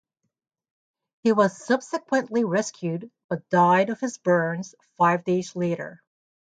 He was subsequently rescued but died of his burns five days later.